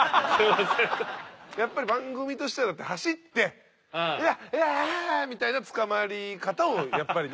やっぱり番組としては走って「うわ！」みたいな捕まり方をやっぱりね。